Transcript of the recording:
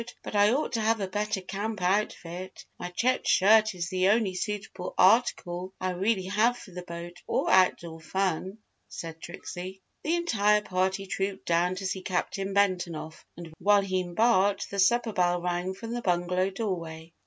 But I ought to have a better camp outfit my checked skirt is the only suitable article I really have for the boat or outdoor fun," said Trixie. The entire party trooped down to see Captain Benton off and while he embarked the supper bell rang from the bungalow doorway.